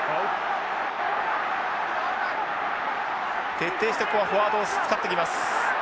徹底してここはフォワードを使ってきます。